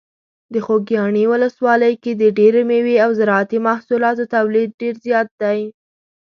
د خوږیاڼي ولسوالۍ کې د ډیری مېوې او زراعتي محصولاتو تولید ډیر زیات دی.